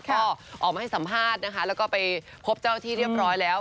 ก็ออกมาให้สัมภาษณ์นะคะแล้วก็ไปพบเจ้าที่เรียบร้อยแล้ว